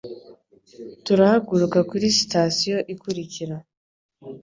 Turahaguruka kuri sitasiyo ikurikira.